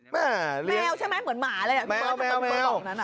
แมวใช่มั้ยเหมือนหมาเลย